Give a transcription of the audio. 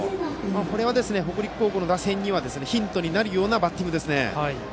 これは北陸高校の打線にはヒントになるようなバッティングですね。